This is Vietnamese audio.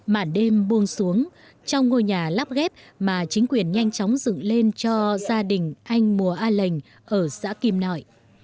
màn đêm buông xuống trong ngôi nhà lắp ghép mà chính quyền nhanh chóng dựng lên cho gia đình anh mùa a lệnh ở xã kim nội